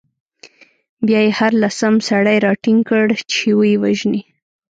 بیا يې هر لسم سړی راټینګ کړ، چې ویې وژني.